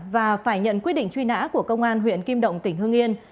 và phải nhận quyết định truy nã của công an huyện kim động tỉnh hương yên